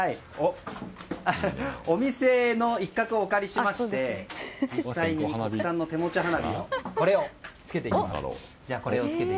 お店の一角をお借りしまして実際に手持ち花火をつけてみます。